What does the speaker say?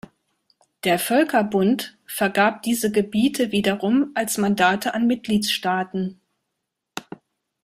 Der Völkerbund vergab diese Gebiete wiederum als Mandate an Mitgliedsstaaten.